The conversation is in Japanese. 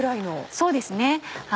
そうですね。